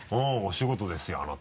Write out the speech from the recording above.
お仕事ですよ